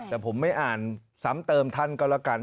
แต่ผมไม่อ่านซ้ำเติมท่านก็แล้วกัน